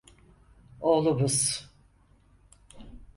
Oğlumuz.